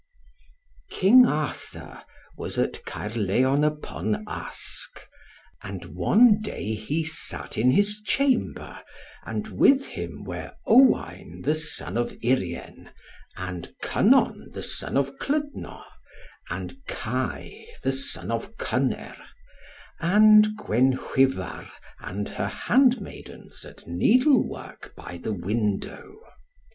King Arthur was at Caerlleon upon Usk; and one day he sat in his chamber; and with him were Owain the son of Urien, and Kynon the son of Clydno, and Kai the son of Kyner; and Gwenhwyvar and her hand maidens at needlework by the window.